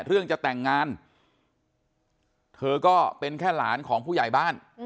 เรื่องจะแต่งงานเธอก็เป็นแค่หลานของผู้ใหญ่บ้าน